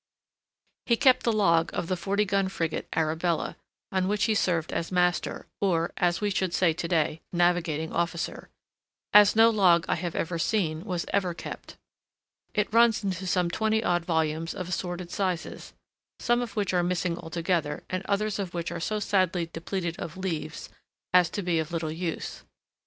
He kept the log of the forty gun frigate Arabella, on which he served as master, or, as we should say to day, navigating officer, as no log that I have seen was ever kept. It runs into some twenty odd volumes of assorted sizes, some of which are missing altogether and others of which are so sadly depleted of leaves as to be of little use.